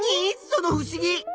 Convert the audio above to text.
そのふしぎ。